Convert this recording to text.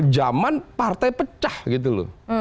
zaman partai pecah gitu loh